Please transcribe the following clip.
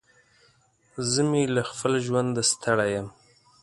زه مې له خپل ژونده ستړی يم.